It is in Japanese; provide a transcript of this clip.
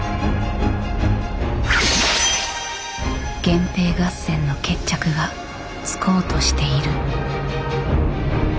源平合戦の決着がつこうとしている。